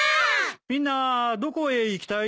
みんなどこへ行きたい？